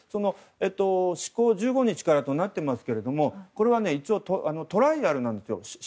施行１５日からとなっていますけど、これは一応トライアルなんです。